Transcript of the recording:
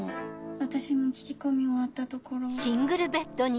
私も聞き込み終わったところ。